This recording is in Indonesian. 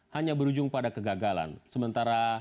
hanya berujung pada kegagalan sementara